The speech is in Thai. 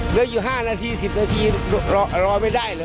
เหลืออยู่๕นาที๑๐นาทีรอไม่ได้เลย